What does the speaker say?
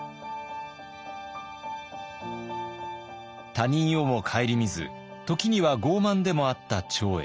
他人をも顧みず時には傲慢でもあった長英。